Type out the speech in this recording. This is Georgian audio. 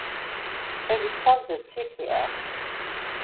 ხევის თავზე ციხეა.